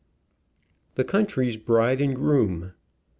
THE COUNTRY'S BRIDE AND GROOM.